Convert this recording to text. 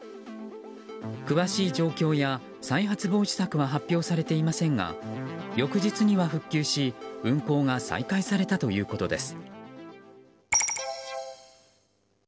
詳しい状況や再発防止策は発表されていませんが翌日には復旧し、運行が再開されたということです。